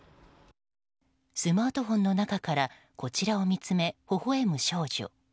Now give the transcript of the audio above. スマートフォンの中からこちらを見つめ、ほほ笑む少女。